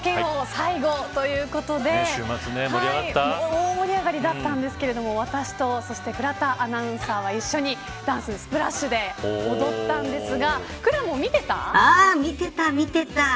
最後ということで大盛り上がりだったんですけど私と倉田アナウンサーは一緒に踊ったんですが見てた、見てた。